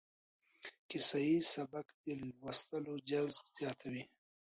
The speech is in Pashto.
کيسه ييز سبک د لوستلو جذب زياتوي.